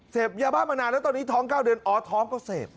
ยาบ้ามานานแล้วตอนนี้ท้อง๙เดือนอ๋อท้องก็เสพ